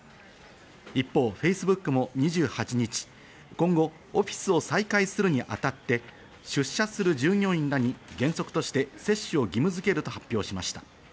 一方、Ｆａｃｅｂｏｏｋも２８日、今後オフィスを再開するに当たって出社する従業員らに原則として接種を義務づけると発表しました。